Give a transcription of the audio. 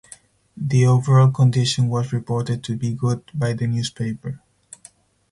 The overall condition was reported to be good by the newspaper.